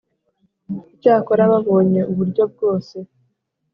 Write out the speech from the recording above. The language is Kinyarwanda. Icyakora babonye uburyo bwose